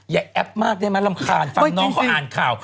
แอปมากได้ไหมรำคาญฟังน้องเขาอ่านข่าว